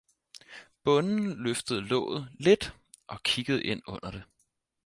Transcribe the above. Bonden løftede låget lidt og kiggede ind under det